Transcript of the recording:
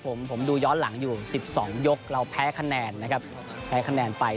ผมดูย้อนหลังอยู่๑๒ยกเราแพ้คะแนนนะครับ